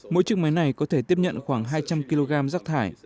mỗi chiếc máy này có thể tiếp nhận khoảng hai trăm linh kg rác thải